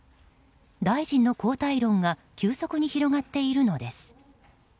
大臣の交代論が急速に広がっているのです。